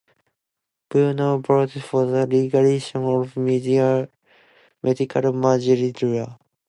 Buono voted for the legalization of medical marijuana.